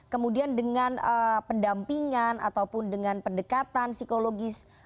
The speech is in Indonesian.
kemudian dengan pendampingan ataupun dengan pendekatan psikologis